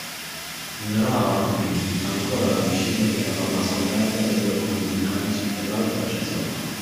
Ignorava, quindi, ancora la discesa che Carlo aveva scoperta dai due coni vulcanici e l'altro accesso al mare.